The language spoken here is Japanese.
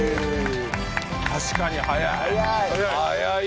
確かに早い。